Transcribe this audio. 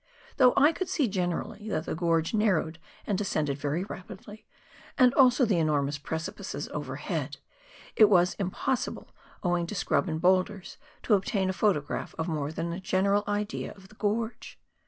Though I could see generally that the gorge narrowed and descended very rapidly, and also the enormous precipices overhead, it was impossible, owing to scrub and boulders, to obtain a photograph of more than a general idea of the gorge.